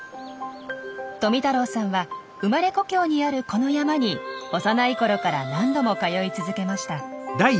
富太郎さんは生まれ故郷にあるこの山に幼いころから何度も通い続けました。